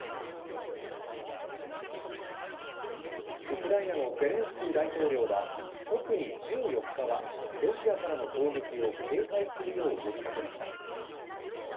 ウクライナのゼレンスキー大統領は特に１４日はロシアからの攻撃を警戒するよう呼びかけました。